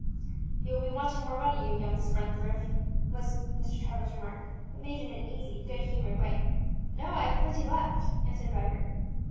"You will be wanting more money, you young spendthrift," was Mr. Trevor's remark, but made in an easy, good humoured way. "No, I have plenty left," answered Vibert.